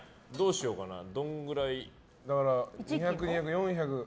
どのぐらい。